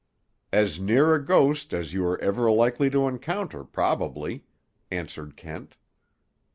"As near a ghost as you are ever likely to encounter, probably," answered Kent.